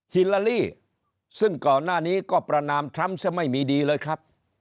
ฮิลาลี่ซึ่งก่อนหน้านี้ก็ประนามทรัมป์ซะไม่มีดีเลยครับ